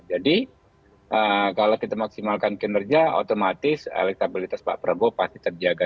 jadi kalau kita maksimalkan kinerja otomatis elektabilitas pak prabowo pasti terjaga